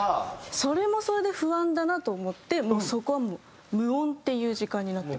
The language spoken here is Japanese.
それもそれで不安だなと思ってそこはもう無音っていう時間になってます。